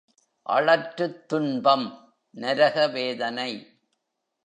அளற்றுத் துன்பம்— நரக வேதனை.